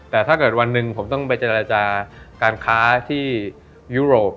แต่ถ้าเกิดวันหนึ่งผมต้องไปเจรจาการค้าที่ยุโรป